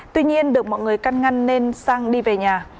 tuy nhiên được mọi người căn ngăn nên sang đi về nhà